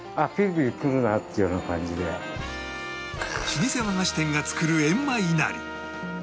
老舗和菓子店が作る閻魔いなり